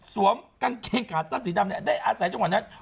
กางเกงขาสั้นสีดำเนี่ยได้อาศัยจังหวัดนั้น